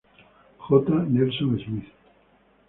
J. Nelson Smith.